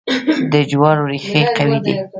د جوارو ریښې قوي دي.